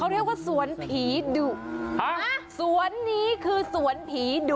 เรียกว่าสวนผีดุฮะสวนนี้คือสวนผีดุ